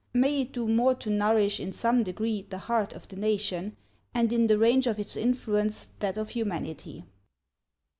May it do more to nourish in some degree the "heart of the nation", and, in the range of its influence, that of humanity.